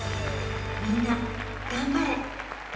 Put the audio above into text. みんな頑張れ！